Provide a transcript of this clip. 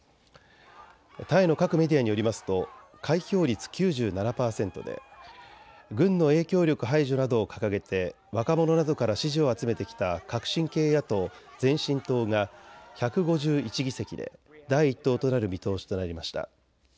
タイの各メディアによりますと開票率９７％で軍の影響力排除などを掲げて若者などから支持を集めてきた革新系野党、前進党が１５１議席で第１党となる見通しとなりました。